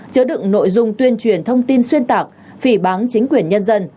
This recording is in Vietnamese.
chứa đựng nội dung tuyên truyền thông tin xuyên tạc phỉ bán chính quyền nhân dân